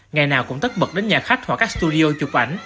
ngày nào cũng tất bật đến nhà khách hoặc các studio chụp ảnh